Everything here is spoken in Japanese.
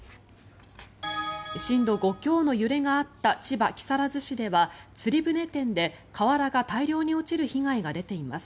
震度５強の揺れがあった千葉・木更津市では釣り船店で瓦が大量に落ちる被害が出ています。